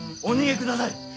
お逃げください。